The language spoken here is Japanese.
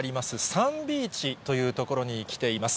サンビーチという所に来ています。